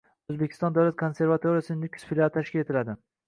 O‘zbekiston Davlat konservatoriyasining Nukus filiali tashkil etiladi